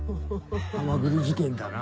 ハマグリ事件だな。